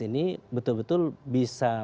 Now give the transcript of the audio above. ini betul betul bisa